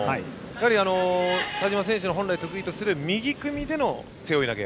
やはり、田嶋選手が本来得意とする右組みでの背負い投げ。